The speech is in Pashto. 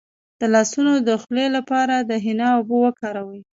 د لاسونو د خولې لپاره د حنا اوبه وکاروئ